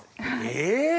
え？